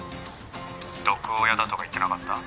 ☎毒親だとか言ってなかった？